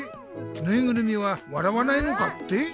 ぬいぐるみは笑わないのかって？